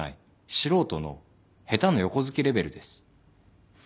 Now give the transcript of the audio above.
素人の下手の横好きレベルです。